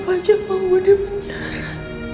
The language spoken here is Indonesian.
papa aja mau di penjara